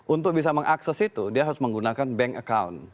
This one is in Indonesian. untuk bisa mengakses itu dia harus menggunakan bank account